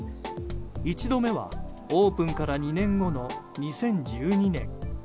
１度目はオープンから２年後の２０１２年。